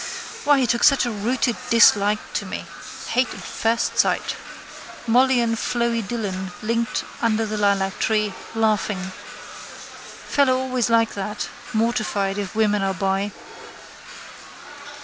Why he took such a rooted dislike to me. Hate at first sight. Molly and Floey Dillon linked under the lilactree, laughing. Fellow always like that, mortified if women are by.